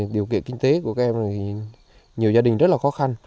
điều kiện kinh tế của các em này nhiều gia đình rất là khó khăn